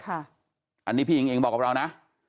อันนี้พี่อิงอิงบอกกับเรานะ